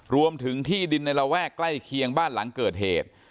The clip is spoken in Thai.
รวมถึงที่ดินในระแวกใกล้เคียงบ้านหลังเกิดเหตุ